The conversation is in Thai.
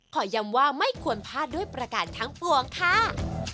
ย้ำว่าไม่ควรพลาดด้วยประการทั้งปวงค่ะ